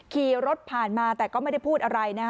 ขี่รถผ่านมาแต่ก็ไม่ได้พูดอะไรนะฮะ